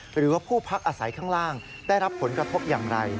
หรือว่าผู้พักอาศัยข้างล่างได้รับผลกระทบอย่างไร